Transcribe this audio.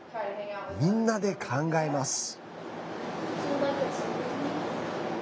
みんなで考えます。